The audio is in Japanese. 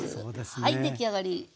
はい出来上がり。